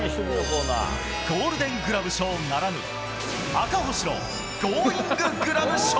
ゴールデングラブ賞ならぬ、赤星のゴーインググラブ賞。